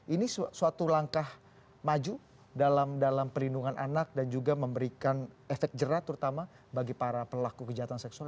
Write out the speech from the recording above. ini suatu langkah maju dalam perlindungan anak dan juga memberikan efek jerat terutama bagi para pelaku kejahatan seksual